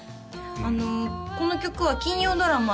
あのこの曲は金曜ドラマ